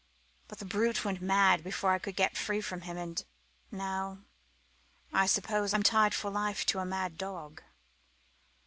But the brute went mad before I could get free from him; and now, I suppose, I'm tied for life to a mad dog."